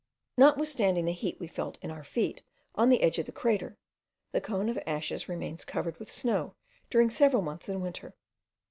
Notwithstanding the heat we felt in our feet on the edge of the crater, the cone of ashes remains covered with snow during several months in winter.